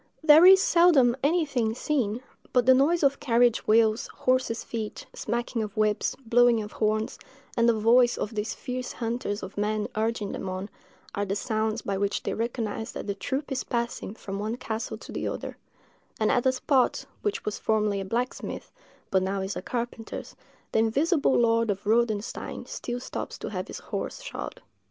There is seldom anything seen; but the noise of carriage wheels, horses' feet, smacking of whips, blowing of horns, and the voice of these fierce hunters of men urging them on, are the sounds by which they recognise that the troop is passing from one castle to the other; and at a spot which was formerly a blacksmith's, but is now a carpenter's, the invisible lord of Rodenstein still stops to have his horse shod.